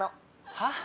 はっ？